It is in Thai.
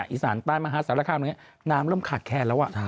อีสานใต้มหาศาลค่ำนั้นน้ำเริ่มขาดแค่แล้ว